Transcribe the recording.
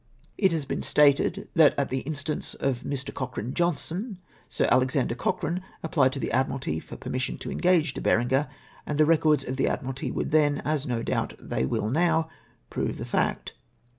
It has been stated, that at the instance of Mr. Coch rane Johnstone, Sir Alexander Cochrane apphed to the Admiralty for permission to engage De Berenger, and the records of the Admiralty would then, as no doubt they will now, prove the fact.